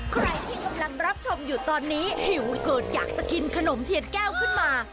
ใครที่กำลังรับชมอยู่ตอนนี้หิววิโกดอยากจะกินขนมเทียนแก้วขึ้นมา